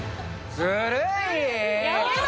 ずるい。